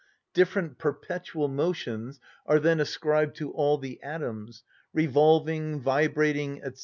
Different perpetual motions are then ascribed to all the atoms, revolving, vibrating, &c.